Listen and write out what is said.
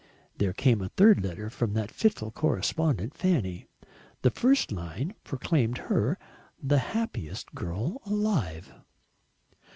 There came a third letter from that fitful correspondent Fanny. The first line proclaimed her "the happiest girl alive."